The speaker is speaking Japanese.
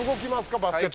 バスケットは。